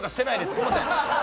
すいません。